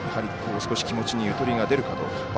少し気持ちにゆとりが出るかどうか。